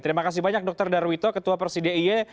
terima kasih banyak dokter darwito ketua presidia ie